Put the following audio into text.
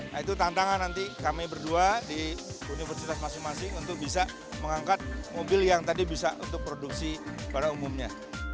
nah itu tantangan nanti kami berdua di universitas masing masing untuk bisa mengangkat mobil yang tadi bisa untuk produksi pada umumnya